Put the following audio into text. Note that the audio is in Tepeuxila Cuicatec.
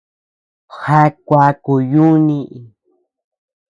Jeaa kuaaku yuuni.